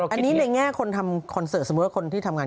อันนี้ในแง่คนทำคอนเสิร์ตสมมุติว่าคนที่ทำงาน